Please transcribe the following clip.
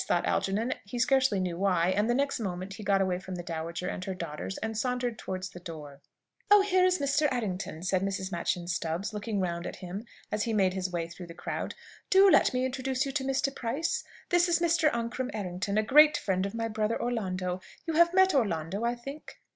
thought Algernon, he scarcely knew why; and the next moment he got away from the dowager and her daughters, and sauntered towards the door. "Oh, here is Mr. Errington," said Mrs. Machyn Stubbs, looking round at him as he made his way through the crowd. "Do let me introduce you to Mr. Price. This is Mr. Ancram Errington, a great friend of my brother Orlando. You have met Orlando, I think?"